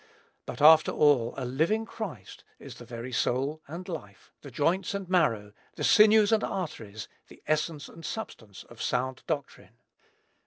But, after all, a living Christ is the very soul and life, the joints and marrow, the sinews and arteries, the essence and substance of sound doctrine.